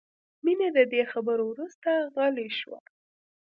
مینه د دې خبرو وروسته غلې شوه